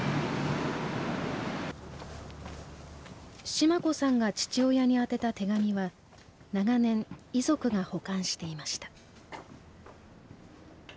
シマ子さんが父親に宛てた手紙は長年遺族が保管していました。